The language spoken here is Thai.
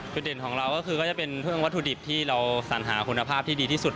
เด่นของเราก็คือก็จะเป็นพวกวัตถุดิบที่เราสัญหาคุณภาพที่ดีที่สุด